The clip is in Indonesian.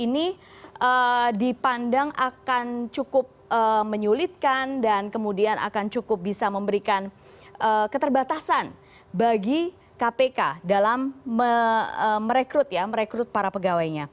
ini dipandang akan cukup menyulitkan dan kemudian akan cukup bisa memberikan keterbatasan bagi kpk dalam merekrut para pegawainya